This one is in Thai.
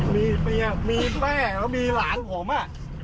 มีแป้งมีแป้งแล้วมีหลานผมอ่ะ